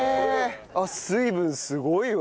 あっ水分すごいわ。